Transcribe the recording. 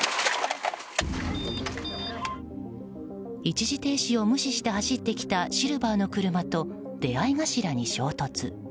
一時停止を無視して走ってきたシルバーの車と出合い頭に衝突。